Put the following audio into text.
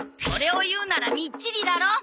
それを言うなら「みっちり」だろ。